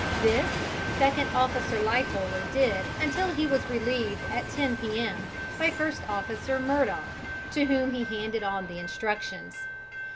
This, Second Officer Lightoller did until he was relieved at 10 P.M. by First Officer Murdock, to whom he handed on the instructions.